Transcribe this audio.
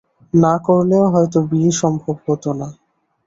না করলেও হয়তো বিয়ে সম্ভব হত না।